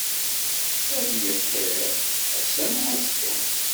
Ad d-iqirr, ass-a neɣ azekka.